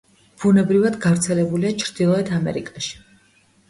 ბუნებრივად გავრცელებულია ჩრდილოეთ ამერიკაში.